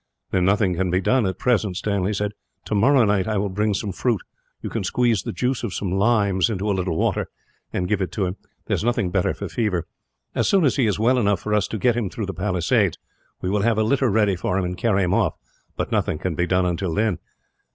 "Then nothing can be done, at present," Stanley said. "Tomorrow night I will bring some fruit. You can squeeze the juice of some limes into a little water, and give it to him. There is nothing better for fever. As soon as he is well enough for us to get him through the palisades, we will have a litter ready for him, and carry him off; but nothing can be done until then.